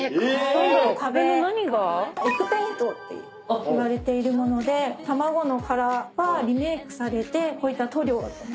エッグペイントっていわれているもので卵の殻がリメイクされてこういった塗料となって。